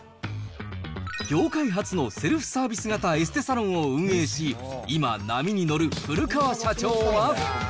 業界初のセルフサービス型エステサロンを運営し、今、波に乗る古川社長は。